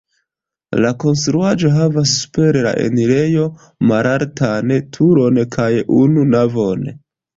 La konstruaĵo havas super la enirejo malaltan turon kaj unu navon.